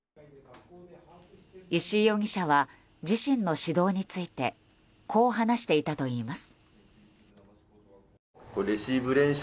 石井容疑者は自身の指導についてこう話していたといいます。